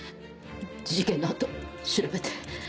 事件の後調べて。